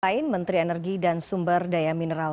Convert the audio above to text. selain menteri energi dan sumber daya mineral